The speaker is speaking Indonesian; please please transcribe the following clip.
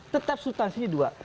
tetap substansi dua